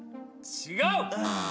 違う。